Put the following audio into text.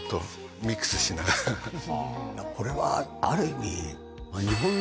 これはある意味。